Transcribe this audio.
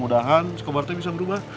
mudah mudahan skopparte bisa berubah